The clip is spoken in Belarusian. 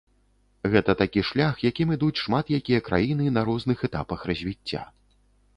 Гэта такі шлях, якім ідуць шмат якія краіны на розных этапах развіцця.